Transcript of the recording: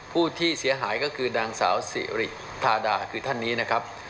ผู้ที่เสียหายก็คือนางสาวสิริธาดาคือท่านนี้นะครับ